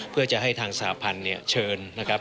เพื่อจะให้ทางสหพันธุ์เชิญ